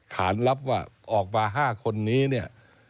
ขานรับว่าออกมา๕คนนี้